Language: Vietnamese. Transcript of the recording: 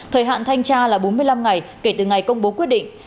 thời hạn thanh tra là bốn mươi năm ngày kể từ ngày công bố quyết định